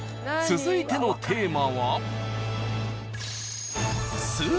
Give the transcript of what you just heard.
［続いてのテーマは］